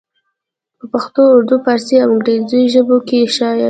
پۀ پښتو اردو، فارسي او انګريزي ژبو کښې شايع